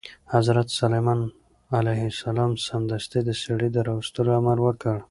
حضرت سلیمان علیه السلام سمدستي د سړي د راوستلو امر وکړ.